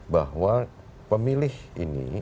bahwa pemilih ini